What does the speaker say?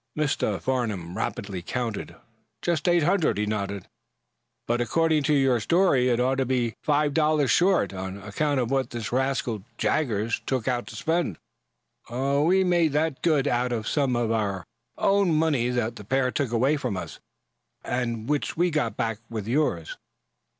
Mr. Farnum rapidly counted. "Just eight hundred," he nodded. "But, according to your story, it ought to be five dollars short, on account of what this rascal, Jaggers, took out to spend." "We've made that good out of some of our own money that the pair took away from us, and which we got back with yours."